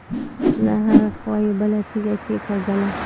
له هغې خوا يې بله تيږه کېکاږله.